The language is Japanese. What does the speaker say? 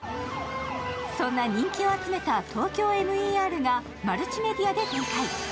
そんな人気を集めた「ＴＯＫＹＯＭＥＲ」がマルチメディアで展開。